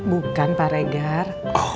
bukan pak regar